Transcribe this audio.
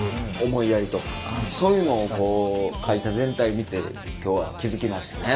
思いやりとかそういうのをこう会社全体見て今日は気付きましたね